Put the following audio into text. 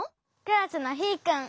クラスのヒーくん。